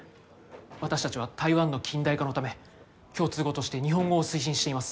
私たちは台湾の近代化のため共通語として日本語を推進しています。